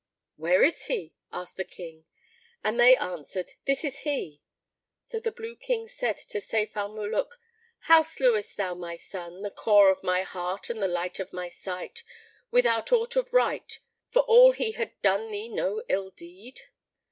"Where is he?" asked the King and they answered, "This is he." So the Blue King said to Sayf al Muluk, "How slewest thou my son, the core of my heart and the light of my sight, without aught of right, for all he had done thee no ill deed?"